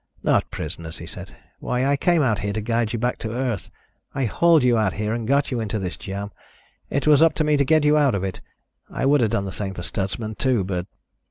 "Not prisoners," he said. "Why, I came out here to guide you back to Earth. I hauled you out here and got you into this jam. It was up to me to get you out of it. I would have done the same for Stutsman, too, but